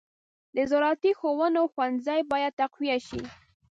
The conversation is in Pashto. د زراعتي ښوونې ښوونځي باید تقویه شي.